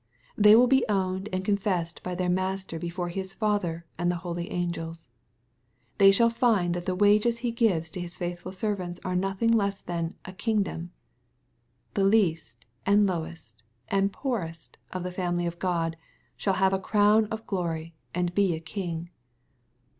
They will be owned and confessed by their Master before His Father and the holy angels. They shall find that the wages He gives to His faithful servants are nothing less than " a kingdom.'' The least, and lowest, and poorest, of the family of God, shall have a crown of glory, and be a king.